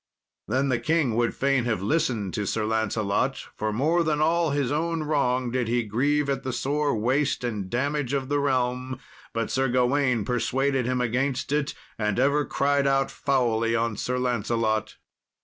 Then the king would fain have listened to Sir Lancelot, for more than all his own wrong did he grieve at the sore waste and damage of the realm, but Sir Gawain persuaded him against it, and ever cried out foully on Sir Lancelot.